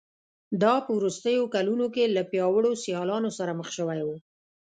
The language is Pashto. دا په وروستیو کلونو کې له پیاوړو سیالانو سره مخ شوی و